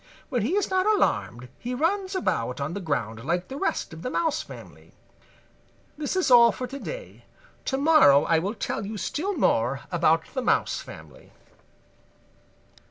When he is not alarmed he runs about on the ground like the rest of the Mouse family. This is all for to day. To morrow I will tell you still more about the Mouse family."